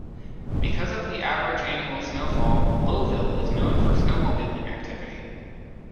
Because of the average annual snowfall, Lowville is known for snowmobiling activity.